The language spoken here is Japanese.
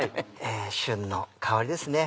旬の香りですね